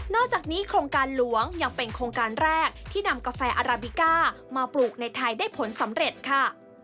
อกจากนี้โครงการหลวงยังเป็นโครงการแรกที่นำกาแฟอาราบิก้ามาปลูกในไทยได้ผลสำเร็จค่ะ